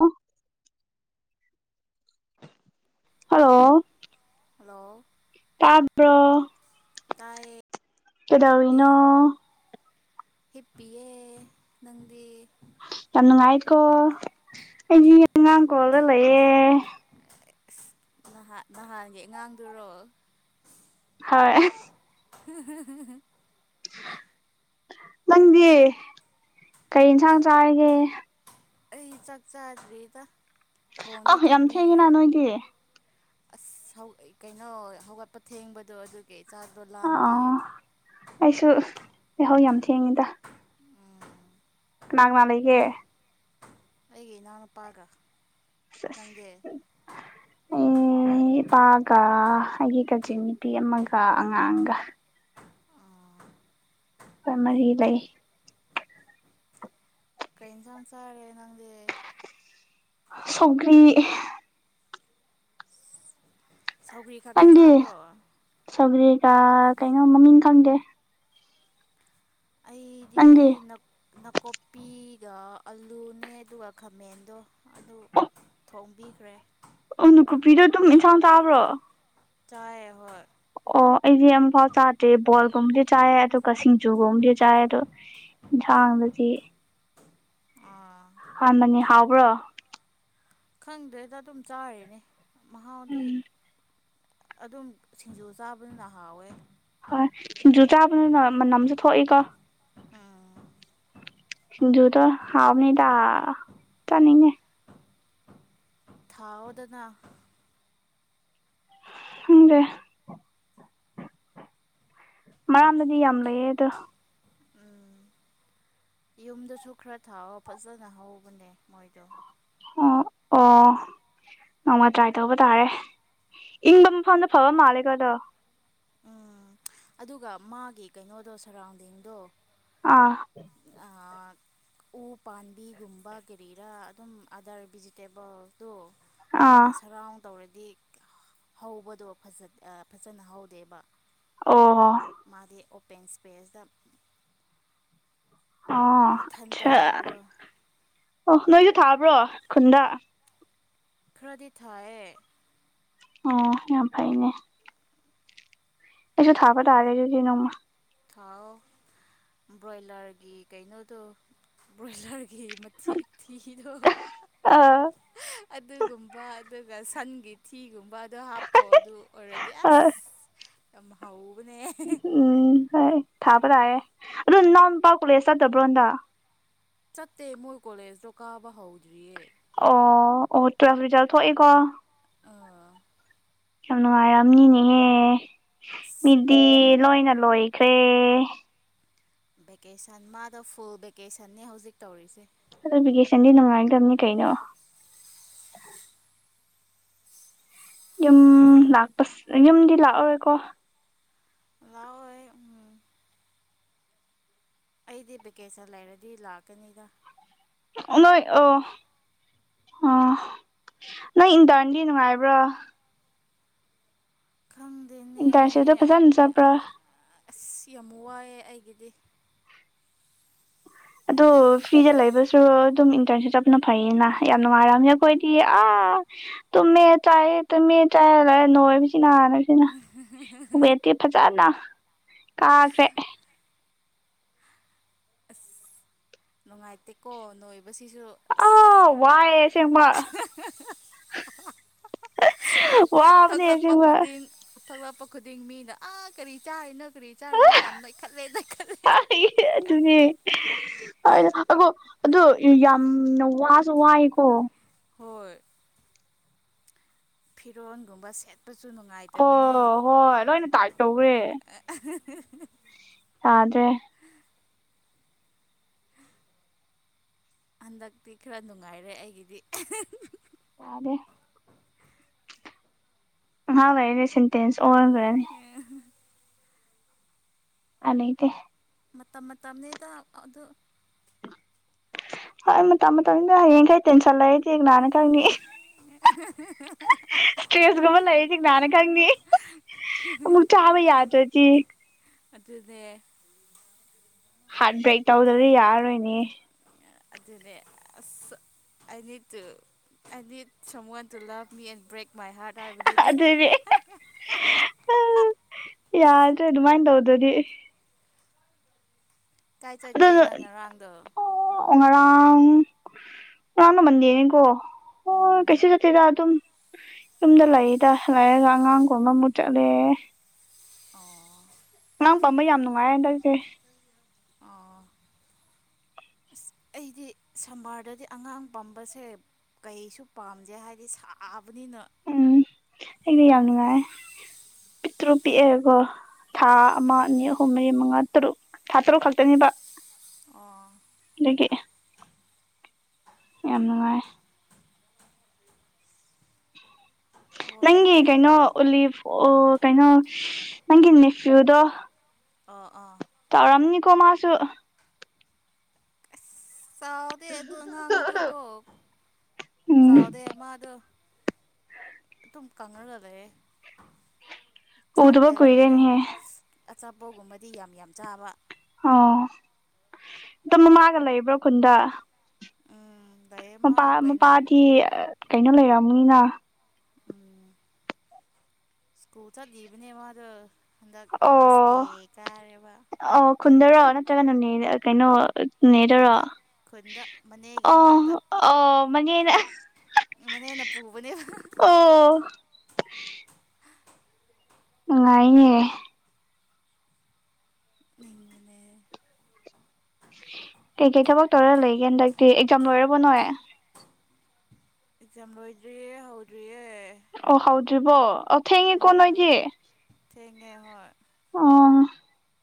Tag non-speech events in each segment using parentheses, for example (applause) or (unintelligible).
ꯎ hello hello ꯇꯥꯕ꯭ꯔꯣ ꯇꯥꯏꯌꯦ ꯀꯩꯗꯧꯔꯤꯅꯣ ꯍꯤꯞꯄꯤꯌꯦ ꯅꯪꯗꯤ ꯌꯥꯝ ꯅꯨꯡꯉꯥꯏꯀꯣ ꯑꯩꯁ ꯑꯉꯥꯡ ꯀꯣꯂꯒ ꯂꯩꯌꯦꯦ ꯑꯁ ꯅꯍꯥꯟ ꯅꯍꯥꯟꯒꯤ ꯑꯉꯥꯡꯗꯨꯔꯣ ꯍꯣꯏ ꯍꯦ ꯍꯦ ꯍꯦ ꯅꯪꯗꯤ ꯀꯩ ꯏꯟꯁꯥꯡ ꯆꯥꯔꯒꯦ ꯑꯩ ꯆꯥꯛꯆꯥꯖꯔꯤꯗ ꯑ ꯌꯥꯝ ꯊꯦꯡꯉꯦꯅꯍ ꯅꯣꯏꯗꯤ ꯑꯁ ꯀꯩꯅꯣ ꯍꯧꯒꯠꯄ ꯊꯦꯡꯕꯗꯣ ꯑꯗꯨꯒꯤ ꯆꯥꯛꯗꯣ ꯑ ꯂꯥꯝꯗꯦ ꯑꯩꯁꯨ ꯂꯩꯍꯧ ꯌꯥꯝ ꯊꯦꯡꯉꯤꯗ ꯀꯅꯥꯒꯦ ꯑꯩꯒꯤꯦ ꯅꯅ ꯄꯥꯒ ꯄꯒ ꯍꯥꯏ ꯀ ꯆꯦ ꯅꯨꯄꯤ ꯑꯃꯒ ꯑꯉꯥꯡꯒ ꯍꯣꯏ ꯃꯔꯤ ꯂꯩ ꯀꯩꯅ ꯁꯁꯥꯔꯦ ꯅꯪꯗꯤ ꯁꯒꯔꯤ ꯁꯧꯒ꯭ꯔꯤ ꯈꯛꯇ ꯅꯪꯗꯤ ꯆꯥꯕ꯭ꯔꯣ ꯁꯧꯒ꯭ꯔꯤꯒ ꯀꯩꯅꯣ ꯃꯃꯤꯡ ꯈꯪꯗꯦ ꯑꯩꯗꯤ ꯅꯪꯗꯤ ꯅꯥꯀꯨꯞꯄꯤ ꯑꯂꯨꯅꯦ ꯑꯗꯨꯒ ꯈꯥꯃꯦꯟꯗꯣ ꯑꯗꯨ ꯊꯣꯡꯕꯤꯈ꯭ꯔꯦ ꯎ ꯀꯨꯞꯄꯤꯗꯣ ꯑꯗꯨꯝ ꯏꯟꯁꯥꯡ ꯆꯥꯕ꯭ꯔꯣ ꯆ ꯍꯣꯏ ꯑꯣ ꯑꯩꯗꯤ ꯌꯥꯝꯐꯥꯎ ꯆꯥꯗꯦ ꯕꯣꯜꯒꯨꯝꯕꯗꯤ ꯆꯥꯏ ꯑꯗꯨꯒ ꯁꯤꯡꯖꯨꯒꯨꯝꯕꯗꯤ ꯆꯥꯏ ꯑꯗꯣ ꯌꯦꯟꯁꯥꯡꯗꯗꯤ ꯑꯥ ꯍꯅꯤ ꯍꯥꯎꯕ꯭ꯔꯣ ꯈꯪꯗ꯭ꯔꯦꯗ ꯑꯗꯨꯝ ꯆꯥꯔꯤꯅꯦ ꯃꯍꯥꯎꯗꯤ ꯎꯝ ꯑꯗꯨꯝ ꯁꯤꯡꯖꯨ ꯆꯥꯕꯅꯤꯅ ꯍꯥꯎꯋꯦ ꯍꯣꯏ ꯁꯤꯡꯖꯨ ꯆꯥꯕꯗꯨꯅ ꯃꯅꯝꯁꯨ ꯊꯣꯛꯏꯀꯣ ꯎꯝ ꯌꯨꯗꯣ ꯍꯥꯎꯥꯎꯃꯤꯗ ꯇꯅꯤꯦ ꯊꯥꯎ ꯑꯣꯗꯅ ꯎꯝꯁꯦ ꯃꯔꯥꯡꯗꯤ ꯌꯥꯝ ꯂꯩꯌꯦ ꯑꯗꯣ ꯎꯝ ꯌꯨꯝꯗꯁꯨ ꯈꯔ ꯊꯥꯎꯕ ꯐꯖꯅ ꯍꯧꯕꯅꯦ ꯃꯣꯏꯗꯣ ꯑꯣ ꯑꯣ ꯅꯣꯡꯃ ꯇ꯭ꯔꯥꯏ ꯇꯧꯕ ꯇꯥꯔꯦ ꯏꯪꯕ ꯃꯐꯝꯗ ꯐꯕ ꯃꯥꯜꯂꯦꯀꯗꯣ ꯎꯝ ꯑꯗꯨꯒ ꯃꯥꯒꯤ ꯀꯩꯅꯣꯗꯣ ꯁꯔꯥꯎꯟꯗꯤꯡꯗꯣ ꯑꯥ ꯑ ꯎ ꯄꯥꯝꯕꯤꯒꯨꯝꯕ ꯀꯔꯤꯔꯥ ꯑꯗꯨꯝ ꯑꯗꯔ ꯚꯤꯖꯤꯇꯦꯕꯜ ꯑꯗꯣ ꯑꯥ ꯃꯥꯅ ꯁꯔꯥꯎꯟ ꯇꯧꯔꯗꯤ ꯍꯧꯕꯗꯣ ꯐꯖꯅ ꯍꯧꯗꯦꯕ ꯑꯣ ꯃꯥꯗꯤ ꯑꯣ ꯄꯦꯟꯁ ꯄꯦꯁꯗ ꯑ ꯑꯆꯥ ꯍꯧꯕꯗꯣ ꯑꯣ ꯅꯣꯏꯁꯨ ꯊꯥꯕ꯭ꯔꯣ ꯈꯨꯟꯗ ꯈ꯭ꯔꯗꯤ ꯊꯌꯦ ꯑꯣ ꯌꯥꯝ ꯐꯩꯅꯦ ꯑꯦꯁꯨ ꯊꯥꯕ ꯇꯔꯦꯁꯨ ꯅꯨꯃ ꯊꯥꯎ ꯕ꯭ꯔꯣꯏꯂꯔꯒꯤ ꯀꯩꯅꯣꯗꯣ ꯕ꯭ꯔꯣꯏꯂꯔ ꯒꯤ ꯃꯊꯤꯊꯤꯗꯣ ꯑ ꯑꯗꯨꯒꯨꯝꯕ ꯑꯗꯨꯒ ꯁꯟꯒꯤ ꯊꯤꯒꯨꯝꯕ ꯑꯗꯣ ꯍꯥꯞꯄꯣ ꯑꯗꯨ ꯑꯣꯏꯔꯗꯤ ꯑ ꯑꯁ ꯌꯥꯝ ꯍꯥꯎ ꯎꯝ ꯍꯥꯏ ꯄꯥꯕ ꯂꯥꯛꯑꯦ ꯑꯗꯨ ꯅꯅꯥꯎꯄꯥ ꯀꯂꯦꯁ ꯆꯠꯇꯕ꯭ꯔꯣ ꯍꯟꯗꯛ ꯆꯠꯇꯦ ꯃꯣꯏ ꯀꯣꯂꯦꯖ ꯇꯣ ꯀꯥꯕ ꯍꯧꯗ꯭ꯔꯤꯌꯦ ꯑꯣ ꯑꯣ ꯇꯋ꯭ ꯑꯦꯜꯐ ꯔꯤꯖꯜ ꯊꯣꯛꯑꯦꯀꯣ ꯑꯥ ꯌꯥꯝ ꯅꯨꯡꯉꯥꯏꯔꯝꯅꯤꯅꯦꯍꯦ ꯃꯤꯗꯤ ꯂꯣꯏꯅ ꯂꯣꯏꯈ꯭ꯔꯦ ꯚꯦꯀꯦꯁꯟ ꯃꯥꯗꯣ ꯐꯨꯜ ꯚꯦꯀꯦꯁꯟꯅꯦ ꯍꯧꯖꯤꯛ ꯇꯧꯔꯤꯁꯦ ꯑꯗꯣ ꯚꯦꯀꯦꯁꯟꯗꯤ ꯅꯨꯡꯉꯥꯏꯗꯕꯅꯤ ꯀꯩꯅꯣ ꯌꯨꯝ ꯂꯥꯛꯄ ꯌꯨꯝꯗꯤ ꯂꯥꯛꯑꯔꯣꯏꯀꯣ ꯂꯥꯛꯑꯣꯏ ꯑꯩꯗꯤ ꯚꯦꯀꯦꯁꯟ ꯂꯩꯔꯗꯤ ꯂꯥꯛꯀꯅꯤꯗ ꯑꯣ ꯅꯣꯏ ꯑꯣ ꯑ ꯅꯪ ꯏꯟꯇꯔꯟꯗꯤ ꯅꯨꯡꯉꯥꯏꯕ꯭ꯔꯥ ꯈꯪ ꯏꯟꯇꯔꯟꯁꯤꯞ ꯇꯣ ꯐꯖꯅ ꯆꯠꯄꯨ꯭ꯔꯥ ꯑꯁ ꯌꯥꯝ ꯋꯥꯏꯑꯦ ꯑꯩꯒꯤꯗꯤ ꯑꯗꯨ ꯐ꯭ꯔꯤꯗ ꯂꯩꯕꯁꯨ ꯑꯗꯨꯝ ꯏꯟꯇꯔꯟꯁꯤꯞ ꯆꯠꯄꯅ ꯐꯩꯌꯦꯅ ꯌꯥꯝ ꯅꯨꯡꯉꯥꯏꯔꯝꯅꯤ ꯑꯩꯈꯣꯏꯗꯤ ꯑꯥ ꯇꯨꯝꯃꯦ ꯆꯥꯏꯌꯦ ꯇꯨꯝꯃꯦ ꯆꯥꯏꯌꯦ ꯂꯣꯏꯔꯦ ꯅꯣꯏꯕꯅ ꯅꯥꯔꯦ ꯁꯤꯅ ꯋꯦꯠꯇꯤ ꯐꯖꯅ ꯀꯥꯈ꯭ꯔꯦ ꯑꯁ ꯅꯨꯡꯉꯥꯏꯇꯀꯣ ꯅꯣꯏ ꯅꯣꯏꯕꯁꯤꯁꯨ ꯑ ꯋꯥꯌꯦ ꯑꯥꯁꯦꯡꯕ ꯊꯣꯛ ꯋꯥꯕꯅꯦ ꯊꯣꯛꯂꯛꯄ ꯑꯁꯦꯡꯕ ꯈꯨꯗꯤꯡ ꯊꯣꯛꯂꯛꯄ ꯃꯤꯅ ꯑꯥ ꯀꯔꯤ ꯆꯥꯏꯅ ꯀꯔꯤ ꯆꯥꯏꯅꯣꯌꯥꯝ ꯅꯣꯏꯈꯠꯂꯦꯅ ꯈꯜꯂꯦ ꯑꯗꯨꯅꯦ ꯑꯣ ꯑꯗꯣ ꯌꯥꯝꯅ ꯋꯥꯁꯨ ꯋꯥꯏꯌꯦꯀꯣ ꯍꯣꯏ ꯐꯤꯔꯣꯟꯒꯨꯝꯕ ꯁꯦꯠ ꯑꯣ ꯍꯣꯏ ꯂꯣꯏꯅ ꯇꯥꯏꯄ ꯇꯧꯋꯦ ꯌꯥꯥꯗ꯭ꯔꯦ ꯍꯟꯗꯛꯇꯤ ꯈꯔ ꯅꯨꯡꯉꯥꯏꯔꯦ ꯑꯩꯒꯤꯗꯤ ꯋꯥꯗꯦ (inaudible) ꯑꯣꯟꯒꯔ꯭ ꯅꯤ ꯑꯅꯥꯏꯗ (unintelligible) ꯃꯇꯝ ꯃꯇꯝꯅꯤꯗ ꯑꯗꯨ ꯍꯣꯏ ꯃꯇꯝ ꯃꯇꯝꯅꯤꯗ ꯍꯌꯦꯡꯈꯩ ꯇꯦꯟꯁꯟ ꯂꯩꯔꯗꯤ ꯑꯩ ꯈꯪꯅꯤ ꯁꯇ꯭ꯔꯦꯁꯀꯨꯝꯕ ꯂꯩꯔꯗꯤ ꯅꯍꯥꯟꯅ ꯈꯪꯅꯤ ꯑꯃꯨꯛ ꯆꯥꯕ ꯌꯥꯗ꯭ꯔꯗꯤ ꯑꯗꯨꯅꯦ꯫ ꯍꯥꯔꯠ ꯕ꯭ꯔꯦꯛ ꯇꯧꯗꯔ꯭ ꯗꯤ ꯌꯥꯔꯔꯣꯏꯅꯦ꯫ ꯑꯗꯨꯅꯦ ꯑꯁ I need to I need someone to love me and break my heart ꯍꯥꯏꯕꯗꯨꯅꯦ ꯑꯗꯨꯅꯦ ꯌꯥꯗ꯭ꯔꯦ ꯑꯗꯨꯃꯥꯏꯅ ꯇꯧ꯫ ꯑꯗꯨꯅꯤ꯫ ꯀꯥꯏ ꯆꯠꯀꯦ ꯑꯗꯨ ꯅꯪ ꯉꯔꯥꯡꯗꯣ꯫ ꯉꯔꯥꯡ ꯉꯔꯥꯡꯗꯣ ꯃꯟꯗꯦꯅꯦꯀꯣ꯫ ꯑꯣ ꯎꯝ ꯀꯩꯁꯨ ꯆꯠꯇꯦꯗ ꯑꯗꯨꯝ꯫ ꯌꯨꯝꯗ ꯂꯩꯗ ꯂꯩꯔꯒ ꯑꯉꯥꯡꯒꯨꯝꯕ ꯑꯃꯨꯛ ꯆꯠꯂꯦ꯫ ꯑꯣ꯫ ꯑꯉꯥꯡ ꯄꯝꯕ ꯌꯥꯝ ꯅꯨꯡꯉꯥꯏꯔꯦ ꯍꯟꯗꯛꯁꯦ꯫ ꯑꯣ ꯑꯁ ꯑꯩꯗꯤ ꯁꯝꯃꯔꯗꯗꯤ ꯑꯉꯥꯡ ꯄꯝꯕꯁꯦ ꯀꯩꯁꯨ ꯄꯥꯝꯗꯦ ꯍꯥꯏꯗꯤ ꯁꯥꯕ꯫ ꯎꯝ ꯑꯩꯗꯤ ꯌꯥꯝ ꯅꯨꯡꯉꯥꯏ꯫ ꯄꯇ꯭ꯔꯨ ꯄꯤꯑꯒꯣ꯫ ꯊꯥ ꯑꯃ ꯑꯅꯤ ꯑꯍꯨꯝ ꯃꯔꯤ ꯃꯉꯥ꯫ ꯇꯔꯨꯛ ꯊꯥ ꯇꯔꯨꯛ ꯈꯛꯇꯅꯤꯕ꯫ ꯑꯣ꯫ ꯂꯩꯒꯦ꯫ ꯌꯥꯝ ꯅꯨꯡꯉꯥꯏ꯫ ꯋꯥꯏ ꯅꯪꯒꯤ ꯀꯩꯅꯣ ꯑꯩꯒꯤꯗꯤ ꯎꯂꯤꯐ ꯑꯣ ꯀꯩꯅꯣ ꯅꯪꯒꯤ ꯅꯦꯐꯌꯨꯗꯣ꯫ ꯑ ꯑꯥ꯫ ꯇꯧꯔꯝꯅꯤꯀꯣ ꯃꯥꯁꯨ꯫ ꯆꯥꯎꯗꯦ ꯑꯗꯨ ꯉꯥꯡꯗꯨ ꯀꯣ ꯎꯝ ꯆꯥꯎꯗꯦ ꯃꯥ ꯑꯗꯨ꯫ ꯑꯗꯨꯝ ꯀꯉꯒ ꯂꯩꯌꯦ꯫ ꯎꯗꯕꯥ ꯀꯨꯏꯔꯦꯅꯤꯍꯦ꯫ ꯑꯆꯥꯄꯣꯒꯨꯝꯕꯗꯤ ꯌꯥꯝ ꯌꯥꯝ ꯆꯥꯕ꯫ ꯑꯣ ꯑꯇ ꯃꯃꯥꯒ ꯂꯩꯕ꯭ꯔꯣ ꯈꯨꯟꯗ꯫ ꯎꯝ ꯂꯩꯌꯦ ꯃꯥ ꯃꯄꯥ ꯀꯩꯅꯣ ꯃꯄꯥꯗꯤ ꯀꯩꯅꯣ ꯂꯩꯔ꯫ ꯅꯤꯅ꯫ ꯎꯝ ꯏꯁꯀꯨꯜ ꯆꯠꯂꯤꯕꯅꯦ ꯃꯥꯗꯣ꯫ ꯍꯟꯗꯛ ꯀ꯭ꯂꯥꯁ ꯑꯣ ꯑꯦ ꯀꯥꯔꯦꯕ ꯑꯣ ꯈꯨꯨꯟꯗꯔꯣ ꯅꯠꯇ꯭ꯔꯒ ꯅꯦ ꯫ ꯀꯩꯅꯣ꯫ ꯅꯦꯗꯔ ꯈꯨꯟꯗ ꯈꯨꯟꯗ ꯃꯅꯦꯒꯤ ꯑ ꯃꯅꯥꯛꯇ ꯑ꯫ ꯃꯅꯦꯅꯥ꯫ ꯃꯅꯦꯅ ꯄꯨꯕꯅꯦꯕ꯫ ꯑꯣ ꯅꯨꯡꯉꯥꯏꯅꯦ꯫ ꯃꯤ ꯃꯅꯦ꯫ ꯀꯩ ꯀꯩ ꯊꯕꯛ ꯇꯧꯔ ꯂꯩꯒꯦ ꯍꯟꯗꯛꯇꯤ ꯑꯦꯛꯖꯥꯝ ꯂꯣꯏꯔꯕꯣ ꯅꯣꯏ꯫ ꯑꯦꯛꯖꯥꯝ ꯂꯣꯏꯗ꯭ꯔꯤꯌꯦ ꯍꯧꯗ꯭ꯔꯤꯌꯦ꯫ ꯗꯔꯤꯕꯣ ꯑꯣ ꯊꯦꯡꯉꯦ ꯀꯣ ꯅꯣꯏꯗꯤ꯫ ꯊꯉꯦ ꯍꯣꯏ꯫ ꯑ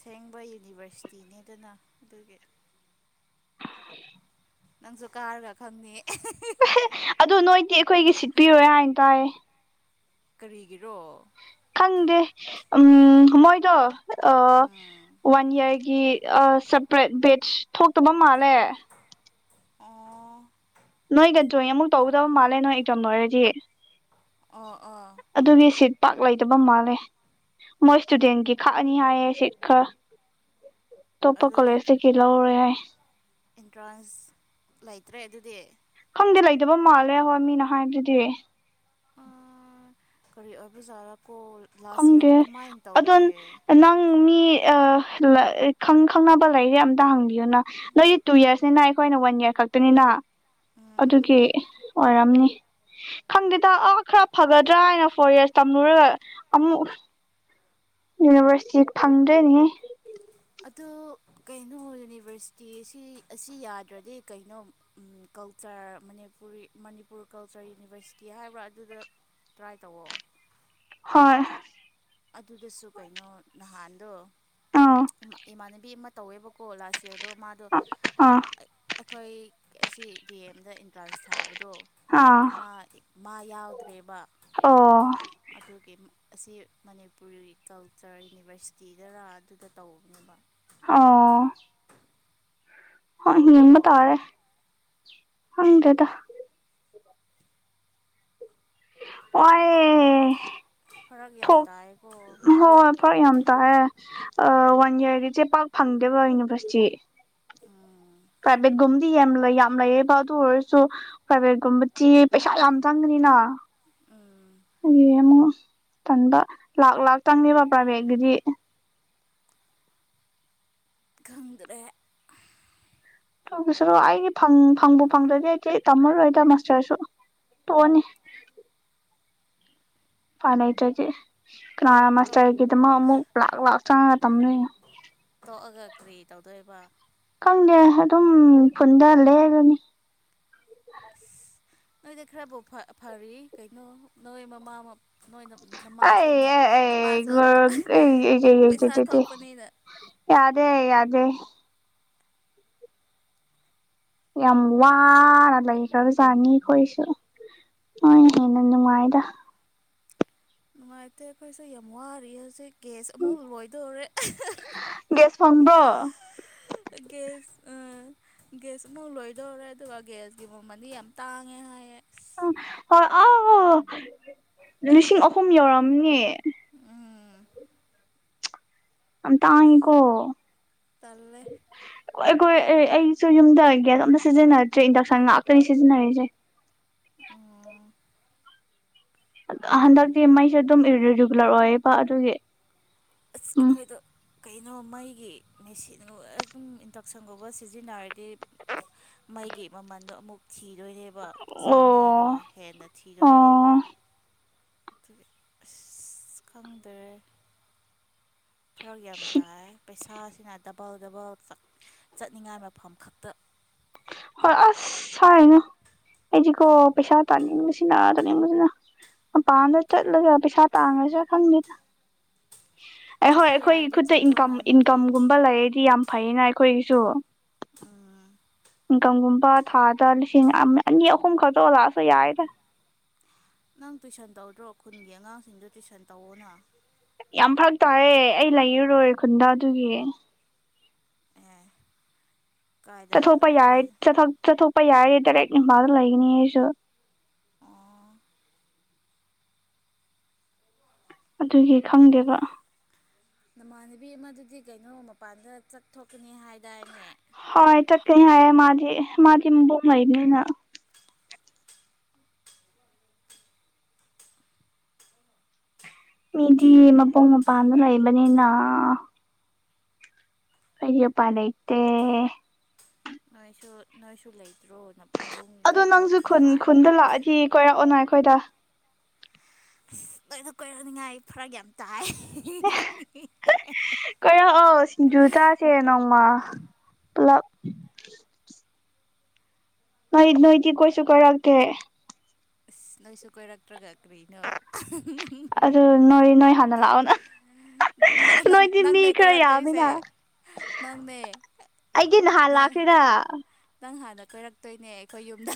ꯊꯦꯡꯕ ꯌꯨꯅꯤꯚꯔꯁꯇꯤꯅꯦ ꯑꯗꯨꯅ ꯑꯗꯨꯒꯤ ꯅꯪꯁꯨ ꯀꯥꯔꯒ ꯈꯪꯅꯤ꯫ ꯑꯗꯨ ꯅꯣꯏꯗꯤ ꯑꯩꯈꯣꯏꯒꯤ ꯁꯤꯠ ꯄꯤꯔꯣꯏ ꯍꯥꯏꯅ ꯇꯥꯏ꯫ ꯀꯔꯤꯒꯤꯔꯣ꯫ ꯈꯪꯗꯦ ꯎꯝ ꯃꯣꯏꯗꯣ ꯎꯝ ꯋꯥꯟ ꯏꯌꯥꯔꯒꯤ ꯁꯦꯄꯔꯦꯠ ꯕꯦꯖ ꯊꯣꯛꯇꯕ ꯃꯥꯜꯂꯦ꯫ ꯑꯣ꯫ ꯅꯣꯏꯒ ꯖꯣꯏ ꯑꯃꯨꯛ ꯇꯧꯒꯗꯧꯕ ꯃꯥꯜꯂꯦ ꯅꯣꯏ ꯑꯦꯛꯖꯥꯝ ꯂꯣꯏꯔꯗꯤ꯫ ꯑꯣ ꯑꯣ ꯑꯗꯨꯒꯤ ꯁꯤꯠ ꯄꯥꯛ ꯂꯩꯇꯕ ꯃꯥꯜꯂꯦ ꯃꯣꯏ ꯏꯁꯇꯨꯗꯦꯟꯒꯤ ꯈꯥꯛꯑꯅꯤ ꯍꯥꯏꯌꯦ ꯁꯤꯠ ꯈꯔ꯫ ꯑꯇꯣꯞꯄ ꯀꯣꯂꯦꯖꯇ ꯀꯤ ꯂꯧꯔꯣꯏ ꯍꯥꯏ꯫ ꯏꯟꯇ꯭ꯔꯥꯟꯁ ꯂꯩꯇ꯭ꯔꯦ ꯑꯗꯨꯗꯤ꯫ ꯪꯗꯤ ꯂꯩꯇꯕ ꯃꯥꯜꯂꯦ ꯍꯣꯏ ꯃꯤꯅ ꯍꯥꯏꯕꯗꯨꯗꯤ꯫ ꯀꯔꯤ ꯑꯣꯏꯕꯖꯥꯔ꯫ ꯀꯣ ꯂꯥꯁ ꯏꯌꯥꯔꯗꯤ ꯈꯪꯗꯦ ꯑꯗꯨꯃꯥꯏ ꯑꯗꯣ ꯇꯧꯗꯦ꯫ ꯅꯪ ꯃꯤ ꯑ ꯈꯪ ꯈꯪꯅꯕ ꯂꯩꯥꯔꯗꯤ ꯑꯝꯇ ꯍꯪ (unintelligible) ꯅꯣꯏꯗꯤ ꯇꯨ ꯏꯌꯥꯔ꯭ꯁ ꯅ ꯑꯩꯈꯣꯏꯅ ꯋꯥꯟ ꯏꯌꯔ ꯈꯛꯇꯅꯤꯅ꯫ ꯎꯝ ꯑꯗꯨꯒꯤ ꯑꯣꯏꯔꯝꯅꯤ ꯈꯪꯗꯦꯗ ꯑ ꯈꯔ ꯐꯒꯗ꯭ꯔꯥ ꯍꯥꯏꯅ ꯐꯣꯔ ꯏꯌꯔ꯭ꯁ ꯇꯝꯂꯨꯔꯒ ꯑꯃꯨꯛ ꯌꯨꯅꯤꯚꯔꯁꯇꯤ ꯐꯪꯗ꯭ꯔꯦꯅꯦꯍꯦ꯫ ꯑꯗꯨ ꯀꯩꯅꯣ ꯌꯨꯅꯤꯚꯔꯁꯤꯇꯤ ꯑꯁꯤ ꯑꯁꯤ ꯌꯥꯗ꯭ꯔꯗꯤ ꯀꯩꯅꯣ culture Manipuri Manipur culture university ꯍꯥꯏꯕ꯭ꯔꯥ ꯑꯗꯨꯗ ꯇ꯭ꯔꯥꯏ ꯇꯧꯋꯣ꯫ ꯍꯣꯏ꯫ ꯑꯗꯨꯗꯁꯨ ꯀꯩꯅꯣ ꯅꯍꯥꯟꯗꯣ ꯑꯥ ꯏꯃꯥ ꯏꯃꯥꯟꯅꯕꯤ ꯑꯃ ꯇꯧꯋꯦꯕꯀꯣ ꯂꯥꯁ ꯏꯌꯥꯔ ꯔꯣꯃꯥꯗꯣ ꯑꯥ ꯑꯩꯈꯣꯏ ꯑꯁꯤ ꯗꯤ ꯑꯦꯝꯗ ꯑꯦꯟꯇ꯭ꯔꯥꯟꯁ ꯊꯥꯕ ꯑꯗꯣ ꯑꯥ ꯃꯥ ꯃꯥ ꯌꯥꯎꯗ꯭ꯔꯦꯕ ꯑꯣ ꯑꯗꯨꯒꯤ꯫ ꯑꯁꯤ ꯃꯅꯤꯄꯨꯔꯤ ꯀꯜꯆꯔ ꯌꯨꯅꯤꯚꯔꯁꯤꯇꯤꯗꯔ ꯑꯗꯨꯗ ꯇꯧꯕꯅꯦꯕ꯫ ꯑꯣ ꯍꯣꯢ ꯌꯦꯡꯕ ꯇꯥꯔꯦ ꯈꯪꯗ꯭ꯔꯦꯗ꯫ ꯋꯥꯏꯌꯦ꯫ ꯐꯔꯛ ꯌꯥꯝ ꯊꯣꯛ ꯇꯥꯏꯀꯣ ꯍꯣꯏ ꯐꯔꯛ ꯌꯥꯝ ꯇꯦ ꯋꯥꯟ ꯏꯌꯥꯔꯒꯤ ꯆꯦ ꯄꯥꯛ ꯐꯪꯗꯦꯕ ꯌꯨꯅꯤꯚꯔꯁꯤꯇꯤ꯫ ꯎꯝ ꯄ꯭ꯔꯥꯏꯚꯦꯠꯀꯨꯝꯕꯗꯤ ꯌꯥꯝ ꯂꯩ ꯌꯥꯝ ꯂꯩꯌꯦꯕ ꯑꯗꯨ ꯑꯣꯏꯔꯁꯨ ꯄ꯭ꯔꯥꯏꯚꯦꯠꯀꯨꯝꯕꯗꯤ ꯄꯩꯁꯥ ꯌꯥꯝ ꯆꯪꯒꯅꯤꯅ꯫ ꯑꯦ ꯑꯃꯨ꯫ ꯆꯟꯕ ꯂꯥꯛ ꯂꯥꯛ ꯆꯪꯉꯦꯕꯥ ꯄ꯭ꯔꯥꯏꯚꯦꯠꯀꯤꯗꯤ꯫ ꯈꯪꯗ꯭ꯔꯦ꯫ ꯇ ꯑꯩꯒꯤ ꯐꯪꯕꯨ ꯐꯪꯗ꯭ꯔꯗꯤ ꯑꯩꯗꯤꯦ ꯇꯝꯃꯔꯣꯏꯗ ꯃꯥꯁꯇꯔꯁꯨ ꯇꯣꯛꯑꯅꯤ꯫ ꯐꯅ ꯂꯩꯇꯔ꯭ꯗꯤ꯫ ꯇꯣꯛ ꯀꯅꯥꯅ ꯇꯣꯛ ꯃꯥꯁꯇꯔꯒꯤꯗꯃꯛ ꯑꯃꯨꯛ꯫ ꯂꯥꯛ ꯂꯥꯛ ꯆꯪꯉꯒ ꯇꯝꯗꯨꯏꯅꯦ꯫ ꯊꯣꯛꯑꯒ ꯀꯔꯤ ꯇꯧꯗꯣꯏꯕ꯫ ꯈꯪꯗꯦ ꯑꯗꯨꯝ ꯈꯨꯟꯗ ꯂꯩꯒꯅꯤ꯫ ꯅꯣꯏꯗꯤ ꯈꯔꯐꯥꯎ ꯐꯔꯤ ꯀꯩꯅꯣ ꯅꯣꯏ ꯃꯃꯥ꯫ ꯅꯣꯏ ꯅꯃꯥꯁꯨ ꯅꯄꯥꯁꯨ ꯑꯇ ꯄꯩꯁꯥ (unintelligible) ꯊꯣꯛꯄꯅꯤꯅ ꯌꯥꯗꯦ ꯌꯥꯗꯦ꯫ ꯌꯥꯝ ꯋꯥꯅ ꯂꯩꯈ꯭ꯔꯕꯖꯥꯅꯤ ꯑꯩꯈꯣꯏꯁꯨ ꯍꯣꯏ ꯍꯦꯟꯅ ꯅꯨꯡꯉꯥꯏꯗ ꯅꯨꯡꯉꯥꯏꯇꯦ ꯑꯩꯈꯣꯏꯁꯨ ꯌꯥꯝ ꯋꯥꯔꯤ ꯍꯧꯖꯤꯛ꯫ ꯒ꯭ꯌꯥꯁ ꯑꯃꯨꯛ ꯂꯣꯏꯗꯣꯔꯦ ꯒ꯭ꯌꯥꯁ ꯐꯪꯕ꯭ꯔꯣ ꯒ꯭ꯌꯥꯁ꯫ ꯒ꯭ꯌꯥꯁ ꯑꯃꯐꯥꯎꯛ ꯂꯣꯏꯗꯧꯔꯦ ꯑꯗꯨꯒ ꯒ꯭ꯌꯥꯁꯀꯤ ꯃꯃꯜꯗꯤ ꯌꯥꯝ ꯇꯥꯡꯉꯦ ꯍꯥꯏꯌꯦ꯫ ꯑꯁ ꯎ ꯍꯣꯏ ꯑꯥꯎ ꯑ ꯂꯤꯁꯤꯡ ꯑꯍꯨꯝ ꯌꯧꯔꯝꯅꯦ꯫ ꯎꯝ꯫ ꯑ ꯇꯥꯡꯉꯤꯀꯣ꯫ ꯇꯜꯂꯦ꯫ ꯑꯩꯈꯣꯏ ꯑꯩꯁꯨ ꯌꯨꯝꯗ ꯒꯌ꯭ꯥꯁ ꯑꯝꯇ ꯁꯤꯖꯤꯟꯅꯗ꯭ꯔꯦ ꯏꯟꯗꯛꯁꯟ ꯉꯥꯛꯇꯅꯤ ꯁꯤꯖꯤꯟꯅꯔꯤꯁꯦ꯫ ꯑꯣ꯫ ꯍꯟꯗꯛꯇꯤ ꯃꯩꯁꯦ ꯑꯗꯨꯝ ꯏꯔꯔꯤꯒꯨꯂꯔ ꯑꯣꯏꯌꯦꯕ ꯑꯗꯨꯒꯤ꯫ ꯑꯁ ꯎꯝ ꯑꯩꯈꯣꯏꯗ꯫ ꯀꯩꯅꯣ ꯃꯩꯒꯤ ꯃꯦꯁꯤꯟꯒꯨꯝꯕ ꯑꯗꯨꯝ ꯏꯟꯗꯛꯁꯟꯒꯨꯝꯕ ꯁꯤꯖꯤꯟꯅꯔꯗꯤ ꯃꯩꯒꯤ ꯃꯃꯟꯗꯣ ꯑꯃꯨꯛ ꯊꯤꯗꯣꯏꯅꯦꯕ꯫ ꯑꯣ ꯆꯅꯤꯗꯣ ꯍꯦꯟꯅ ꯑꯣ ꯊꯤꯗꯣꯏꯅꯦꯕ꯫ ꯈꯪꯗ꯭ꯔꯦ꯫ ꯐꯔꯛ ꯌꯥꯝ ꯇꯥꯏ ꯄꯩꯁꯥꯁꯤꯅ ꯗꯕꯜ ꯗꯕꯜ ꯆꯠꯅꯤꯡꯉꯥꯏ ꯃꯐꯝ ꯈꯛꯇ꯫ ꯍꯣꯏ ꯑꯁ ꯍꯥꯏꯔꯤꯅꯣ ꯑꯩꯗꯤꯀꯣ ꯄꯩꯁꯥ ꯇꯥꯅꯤꯡꯕꯁꯤꯅ ꯇꯥꯅꯤꯡꯕꯁꯤꯅ ꯃꯄꯥꯟꯗ ꯆꯠꯂꯒ ꯄꯩꯁꯥ ꯇꯥꯡꯉꯁꯨ ꯈꯪꯗꯦꯗ꯫ ꯑꯩꯍꯣꯏ ꯆꯠꯄ ꯑꯩꯈꯣꯏꯒꯤ ꯌꯥꯔꯗꯤ ꯈꯨꯠꯇ ꯏꯟꯀꯝ ꯆꯠꯂꯣꯅ ꯅꯣꯏꯗꯤ ꯏꯟꯀꯝꯒꯨꯝꯕ ꯂꯩꯔꯗꯤ ꯌꯥꯝ ꯐꯩꯌꯦꯅ ꯑꯩꯈꯣꯏꯒꯤ꯫ ꯆꯣ꯫ ꯎꯝ꯫ ꯏꯟꯀꯝꯒꯨꯝꯕ ꯊꯥꯗ ꯂꯤꯁꯤꯡ ꯑꯅꯤ ꯑꯍꯨꯝ ꯈꯛꯇ ꯂꯥꯛꯑꯁꯨ ꯌꯥꯏꯗ꯫ ꯅꯪ ꯇꯨꯏꯁꯟ ꯇꯧꯗ꯭ꯔꯣ ꯈꯨꯟꯒꯤ ꯑꯉꯥꯡꯁꯤꯡꯗꯨ ꯇꯨꯏꯁꯟ ꯇꯧꯑꯣꯅ꯫ ꯌꯥꯝ ꯐꯔꯛ ꯇꯥꯔꯦ ꯑꯩ ꯂꯩꯔꯔꯣꯏ ꯈꯨꯟꯗꯥ ꯑꯗꯨꯒꯤ꯫ ꯑꯦ ꯀꯥꯏꯗ ꯆꯠꯊꯣꯛꯄ ꯌꯥꯏ ꯀꯥꯏ ꯆꯠ ꯊꯣꯛ ꯆꯠ ꯊ꯫ ꯌꯥꯏꯌꯦ ꯑꯩꯁꯨ ꯗꯥꯏꯔꯦꯠ ꯑꯦꯝꯐꯥꯜꯗ ꯂꯩꯒꯅꯤꯌꯦ ꯑꯩꯁꯨ꯫ ꯑꯣ ꯑꯗꯨꯒꯤ ꯈꯪꯗꯦꯕ꯫ ꯅꯃꯥꯟꯅꯕꯤ ꯑꯃꯗꯨꯗꯤ ꯀꯩꯅꯣ ꯃꯄꯥꯟꯗ ꯆꯠꯊꯣꯛꯀꯅꯤ ꯍꯥꯏꯗꯥꯏꯅꯦ꯫ ꯍꯣꯏ ꯆꯠꯀꯅꯤ ꯍꯥꯏꯌꯦ ꯃꯥꯗꯤ ꯃꯥꯗꯤ ꯃꯕꯣꯛ ꯂꯩꯕꯅꯤꯅꯥ꯫ ꯃꯤꯗꯤ ꯃꯄꯨꯡ ꯃꯄꯥꯟꯗ ꯂꯩꯕꯅꯤꯅ꯫ ꯑꯩꯗꯤ ꯎꯄꯥꯏ ꯂꯩꯇꯦ꯫ ꯅꯣꯏꯁꯨ ꯅꯣꯏꯁꯨ ꯂꯩꯇ꯭ꯔꯣ ꯅ꯫ ꯑꯗꯣ ꯅꯪꯁꯨ ꯈꯨꯟ ꯈꯨꯟꯗ ꯂꯥꯛꯑꯗꯤ ꯀꯣꯏꯔꯛꯑꯣꯅꯥ꯫ ꯑꯩꯈꯣꯏꯗ꯫ ꯑꯁ ꯂꯣꯏꯅ ꯀꯣꯏꯔꯛꯅꯤꯉꯥꯏ ꯐꯔꯛ ꯌꯥꯝ ꯇꯥꯏ꯫ ꯀꯣꯏꯔꯛꯑꯣ ꯁꯤꯡꯖꯨ ꯆꯥꯁꯦ ꯅꯣꯡꯃ ꯄꯨꯂꯞ꯫ ꯅꯣꯏ ꯅꯣꯏꯗꯤ ꯀꯣꯏꯁꯨ ꯀꯣꯏꯔꯛꯇꯦ꯫ ꯅꯣꯏꯁꯨ ꯀꯣꯏꯔꯛꯇꯔ꯭ꯒ꯫ ꯀꯔꯤꯅꯣ ꯑꯗꯨ ꯅꯣꯏ ꯅꯣꯏ ꯍꯥꯟꯅ ꯂꯥꯛꯑꯣꯅ ꯅꯣꯏꯗꯤ ꯃꯤ ꯅꯪꯅꯦ ꯈꯔ ꯌꯥꯝꯃꯤꯅ ꯀꯣꯏꯔꯛꯇꯣꯏꯁꯦ ꯅꯪꯅꯦ ꯑꯩꯗꯤ ꯅꯍꯥꯟ ꯅꯪ ꯂꯥꯛꯈ꯭ꯔꯦꯗ ꯅꯪ ꯍꯥꯟꯅ꯫ ꯀꯣꯏꯔꯛꯇꯣꯏꯅꯦ ꯑꯩꯈꯣꯏ ꯌꯨꯝꯗ꯫